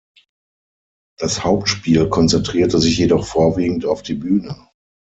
Das Hauptspiel konzentrierte sich jedoch vorwiegend auf die Bühne.